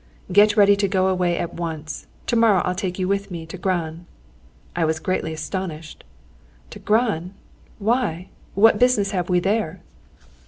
"Get ready to go away at once. To morrow I'll take you with me to Gran." I was greatly astonished. "To Gran! Why, what business have we there?"